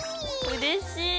うれしい！